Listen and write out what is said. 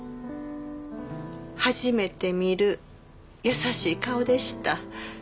初めて見る優しい顔でした。